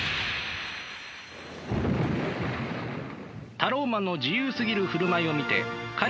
タローマンの自由すぎる振る舞いを見て彼らは思った。